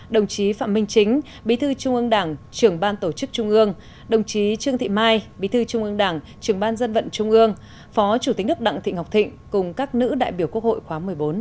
đồng chí phạm minh chính bí thư trung ương đảng trưởng ban tổ chức trung ương đồng chí trương thị mai bí thư trung ương đảng trưởng ban dân vận trung ương phó chủ tịch nước đặng thị ngọc thịnh cùng các nữ đại biểu quốc hội khóa một mươi bốn